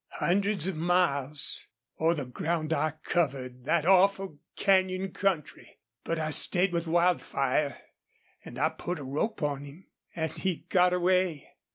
"Hundreds of miles! ... Oh, the ground I covered that awful canyon country! ... But I stayed with Wildfire. An' I put a rope on him. An' he got away....